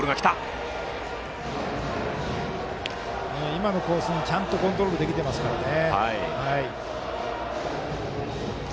今のコースに、ちゃんとコントロールできていますからね。